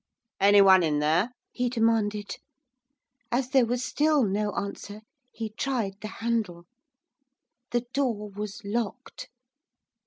'Anyone in there?' he demanded. As there was still no answer, he tried the handle. The door was locked.